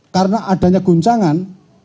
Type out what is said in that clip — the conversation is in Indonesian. karena adanya goncangan